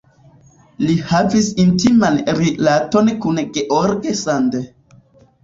Li havis intiman rilaton kun George Sand.